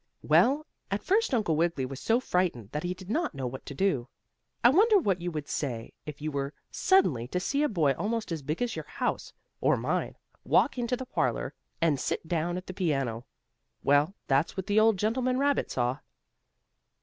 Well, at first Uncle Wiggily was so frightened that he did not know what to do. I wonder what you would say if you were suddenly to see a boy almost as big as your house, or mine, walk into the parlor, and sit down at the piano? Well, that's what the old gentleman rabbit saw.